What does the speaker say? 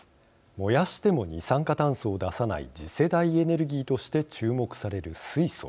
燃やしても二酸化炭素を出さない次世代エネルギーとして注目される水素。